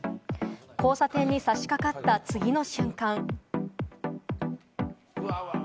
交差点に差し掛かった次の瞬間。